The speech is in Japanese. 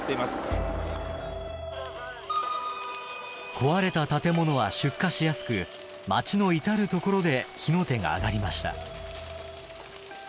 壊れた建物は出火しやすく街の至る所で火の手が上がりました。